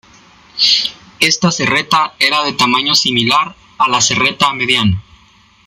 Esta serreta era de tamaño similar a la serreta mediana.